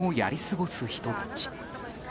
危険をやり過ごす人たち。